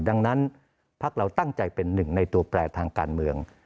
ดังนั้นพักเราตั้งใจเป็นหนึ่งในตัวแปลทางการเมือง